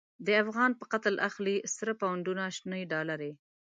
د افغان په قتل اخلی، سره پو نډونه شنی ډالری